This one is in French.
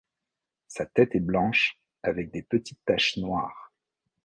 Sa tête est blanche avec de petites taches noires.